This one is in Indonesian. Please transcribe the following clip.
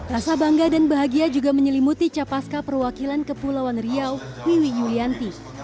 rasa bangga dan bahagia juga menyelimuti capaska perwakilan kepulauan riau wiwi yulianti